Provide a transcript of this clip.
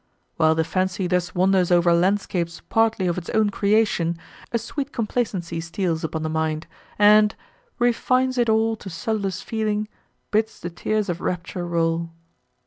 While the fancy thus wanders over landscapes partly of its own creation, a sweet complacency steals upon the mind, and Refines it all to subtlest feeling, Bids the tear of rapture roll.